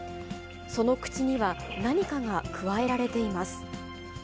その口には、何かがくわえられています。